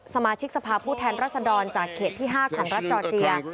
สมาชิกสภาพผู้แทนรัศดรจากเขตที่๕ของรัฐจอร์เจีย